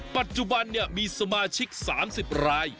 ปัจจุบันมีสมาชิก๓๐ราย